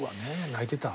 泣いてた。